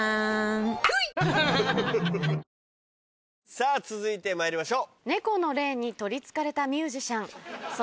さぁ続いてまいりましょう。